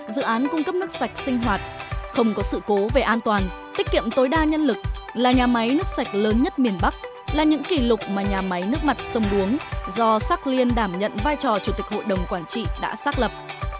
dự án cung cấp nước sạch sinh hoạt không có sự cố về an toàn tiết kiệm tối đa nhân lực là nhà máy nước sạch lớn nhất miền bắc là những kỷ lục mà nhà máy nước mặt sông đuống do shark liên đảm nhận vai trò chủ tịch hội đồng quản trị đã xác lập